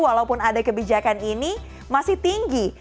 walaupun ada kebijakan ini masih tinggi